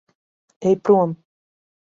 Ej prom.